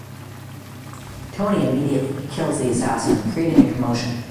Tony immediately kills the assassin, creating a commotion.